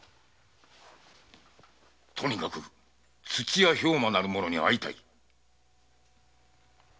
とにかく土屋兵馬なる者に会いたい。